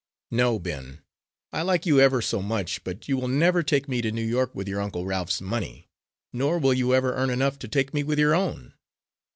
No, Ben, I like you ever so much, but you will never take me to New York with your Uncle Ralph's money, nor will you ever earn enough to take me with your own.